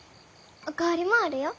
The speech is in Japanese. お代わりもあるよ。